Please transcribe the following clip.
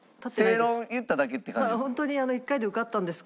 正論言っただけって感じですか？